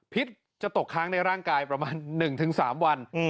จะตกค้างในร่างกายประมาณ๑๓วัน